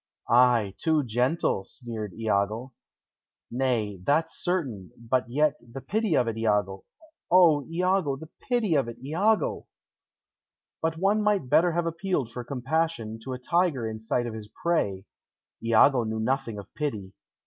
"Ay, too gentle," sneered Iago. "Nay, that's certain; but, yet, the pity of it, Iago! O, Iago, the pity of it, Iago!" But one might better have appealed for compassion to a tiger in sight of his prey. Iago knew nothing of pity.